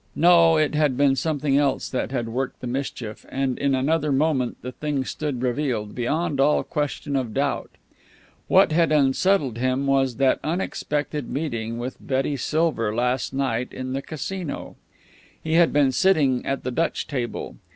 No, it had been something else that had worked the mischief and in another moment the thing stood revealed, beyond all question of doubt. What had unsettled him was that unexpected meeting with Betty Silver last night at the Casino. He had been sitting at the Dutch table.